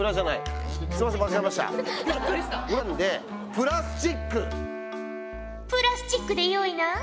プラスチックでよいな？